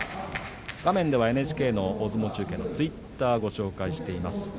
画面ではＮＨＫの大相撲中継のツイッターをご紹介しています。